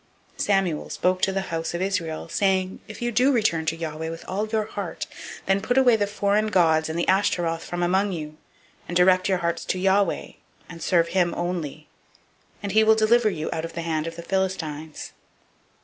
007:003 Samuel spoke to all the house of Israel, saying, If you do return to Yahweh with all your heart, then put away the foreign gods and the Ashtaroth from among you, and direct your hearts to Yahweh, and serve him only; and he will deliver you out of the hand of the Philistines.